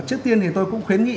trước tiên thì tôi cũng khuyến nghị